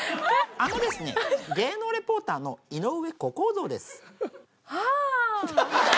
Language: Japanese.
あのですね芸能リポーターの井上小公造です。